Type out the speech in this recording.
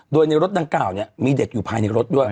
โดยในรถดัง๙มีเด็กอยู่ภายในรถด้วย